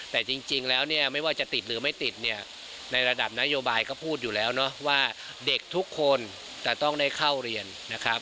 แต่จริงแล้วเนี่ยไม่ว่าจะติดหรือไม่ติดเนี่ยในระดับนโยบายก็พูดอยู่แล้วเนาะว่าเด็กทุกคนจะต้องได้เข้าเรียนนะครับ